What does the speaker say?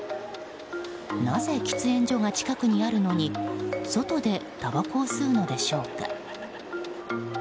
なぜ、喫煙所が近くにあるのに外でたばこを吸うのでしょうか。